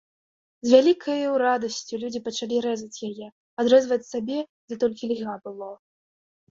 З вялікаю радасцю людзі пачалі рэзаць яе, адрэзваць сабе, дзе толькі льга было.